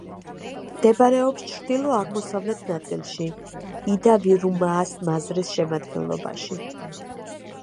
მდებარეობს ჩრდილო-აღმოსავლეთ ნაწილში, იდა-ვირუმაას მაზრის შემადგენლობაში.